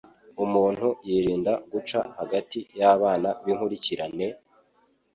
Umuntu yirinda guca hagati y’abana b’inkurikirane,